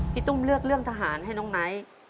ตุ้มเลือกเรื่องทหารให้น้องไนท์